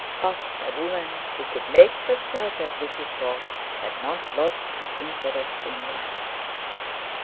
Ah! A woman who could make herself a pretty frock had not lost her interest in life.